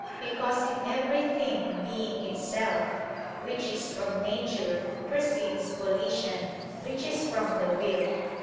Because in every thing, being itself, which is from nature, precedes volition, which is from the will.